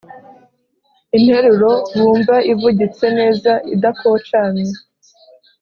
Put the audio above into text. interuro wumva ivugitse neza idakocamye.